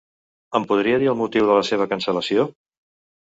Em podria dir el motiu de la seva cancel·lació?